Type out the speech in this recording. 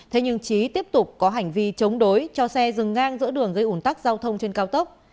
thế nhưng trí tiếp tục có hành vi chống đối cho xe dừng ngang giữa đường gây ủn tắc giao thông trên cao tốc